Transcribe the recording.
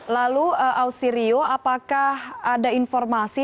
lalu ausirio apakah ada informasi